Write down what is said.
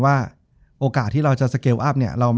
จบการโรงแรมจบการโรงแรม